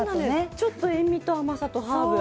ちょっと塩みと甘さとハーブが。